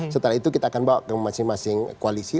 setelah itu kita akan bawa ke masing masing koalisi